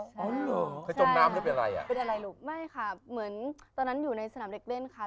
อ๋อเหรอใครจมน้ำหรือเป็นอะไรอ่ะเป็นอะไรลูกไม่ค่ะเหมือนตอนนั้นอยู่ในสนามเด็กเล่นค่ะ